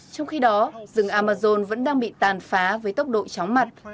trong khi đó rừng amazon vẫn đang bị tàn phá với tốc độ chóng mặt